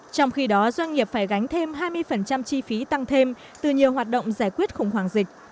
trong khi đó doanh nghiệp phải gánh thêm hai mươi chi phí tăng thêm từ nhiều hoạt động giải quyết khủng hoảng dịch